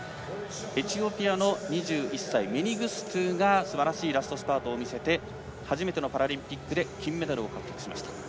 エチオピアの２１歳メニグストゥがすばらしいラストスパートを見せて初めてのパラリンピックで金メダルを獲得しました。